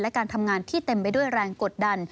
และการทำงานที่เต็มไปด้วยแรงกดดัน